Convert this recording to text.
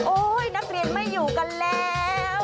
นักเรียนไม่อยู่กันแล้ว